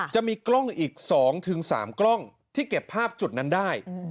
จะมีกล้องอีก๒๓กล้องที่เก็บภาพจุดนั้นได้